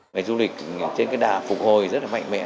ngày du lịch trên cái đà phục hồi rất là mạnh mẽ